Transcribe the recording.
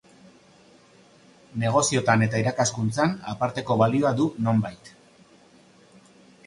Negoziotan eta irakaskuntzan aparteko balioa du nonbait.